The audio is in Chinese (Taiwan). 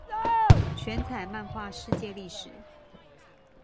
全彩漫畫世界歷史